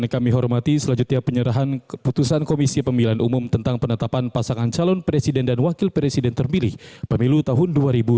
keputusan komisi pemilihan umum tentang penetapan pasangan calon presiden dan wakil presiden terpilih pemilu tahun dua ribu sembilan belas